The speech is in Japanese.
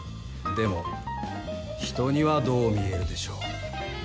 でも人にはどう見えるでしょう？